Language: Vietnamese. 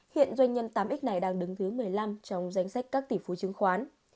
hiện doanh nhân tám x này đang đứng thứ một mươi năm trong danh sách các tỷ phú chứng khoán